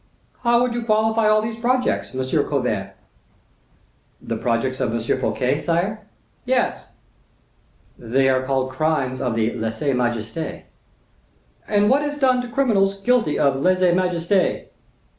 "How would you qualify all these projects, M. Colbert?" "The projects of M. Fouquet, sire?" "Yes." "They are called crimes of lese majeste." "And what is done to criminals guilty of lese majeste?"